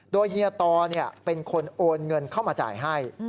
โดยเฮียตอเป็นคนโอนเงินเข้ามาจ่ายให้